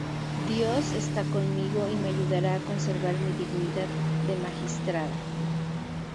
Dios está conmigo y me ayudará a conservar mi dignidad de magistrada.